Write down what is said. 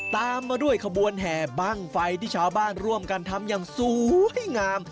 ตามมาด้วยขบวนแห่บ้างไฟที่ชาวบ้านร่วมกันทำอย่างสวยงาม